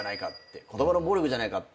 言葉の暴力じゃないかって。